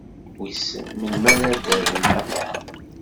Wissen melmi ara ad-rren aḍar?